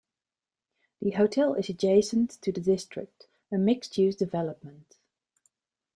The hotel is adjacent to The District, a mixed-use development.